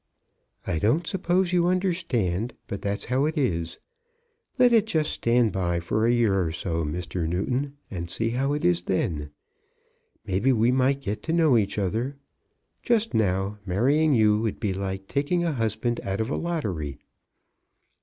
"I don't suppose you understand, but that's how it is. Let it just stand by for a year or so, Mr. Newton, and see how it is then. Maybe we might get to know each other. Just now, marrying you would be like taking a husband out of a lottery."